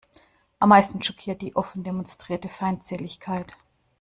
Am meisten schockiert die offen demonstrierte Feindseligkeit.